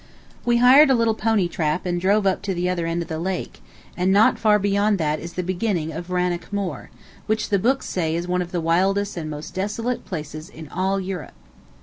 We hired a little pony trap and drove up to the other end of the lake, and not far beyond that is the beginning of Rannoch Moor, which the books say is one of the wildest and most desolate places in all Europe.